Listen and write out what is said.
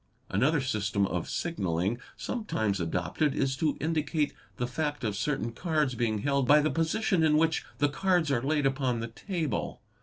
Another system of signalling sometimes adopted is to indicate the fact of certain cards being held by the position in which the cards are laid upon the table.